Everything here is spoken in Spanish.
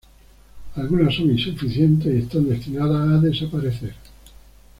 Algunas son insuficientes y están destinadas a desaparecer.